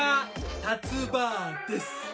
たつ婆です。